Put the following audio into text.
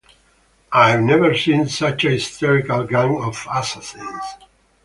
I've never seen such a hysterical gang of assassins.